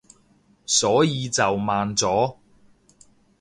所以就慢咗